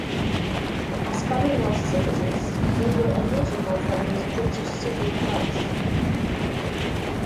As Commonwealth citizens, they were eligible for most British civic rights.